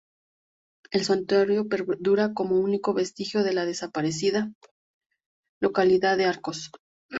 El santuario perdura como único vestigio de la desaparecida localidad de Arcos.